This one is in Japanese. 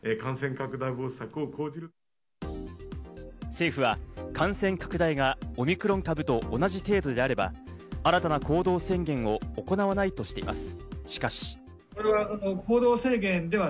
政府は感染拡大がオミクロン株と同じ程度であれば、新たな行動制限を行わないとしています。